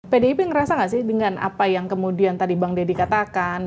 pdip ngerasa gak sih dengan apa yang kemudian tadi bang deddy katakan